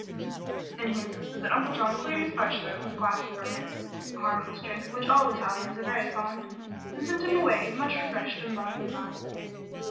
Then he insisted that Uncle John clear his parched throat with a glass of vermouth a harmless drink of which all Italians are very fond and sent him away much refreshed in body and mind.